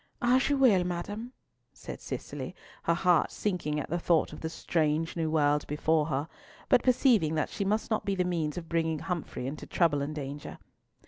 "As you will, madam," said Cicely, her heart sinking at the thought of the strange new world before her, but perceiving that she must not be the means of bringing Humfrey into trouble and danger.